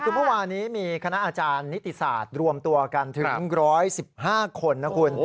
คือเมื่อวานี้มีคณะอาจารย์นิติศาสตร์รวมตัวกันถึง๑๑๕คนนะคุณ